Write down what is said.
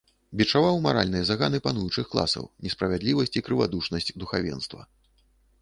Бічаваў маральныя заганы пануючых класаў, несправядлівасць і крывадушнасць духавенства.